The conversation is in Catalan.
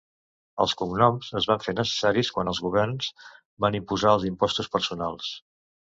Els cognoms es van fer necessaris quan els governs van imposar els impostos personals.